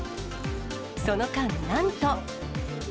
その間、なんと。